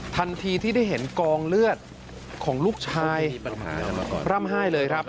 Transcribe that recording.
ทันทีที่ได้เห็นกองเลือดของลูกชายร่ำไห้เลยครับ